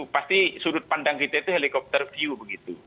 pasti sudut pandang kita itu helikopter view begitu